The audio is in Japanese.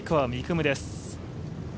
夢です。